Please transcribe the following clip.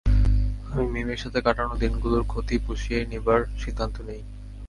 আমি মিমির সাথে কাটানো দিনগুলোর ক্ষতি পুষিয়ে নিবার সিদ্ধান্ত নিই।